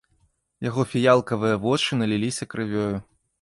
Яго фіялкавыя вочы наліліся крывёю.